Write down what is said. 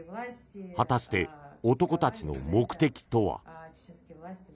果たして男たちの目的とは。